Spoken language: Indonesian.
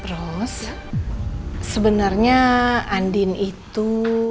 ros sebenarnya andin itu